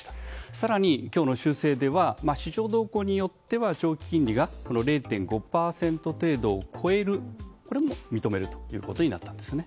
更に、今日の修正では市場動向によっては長期金利が０．５％程度を超えるこれも認めるということになったんですね。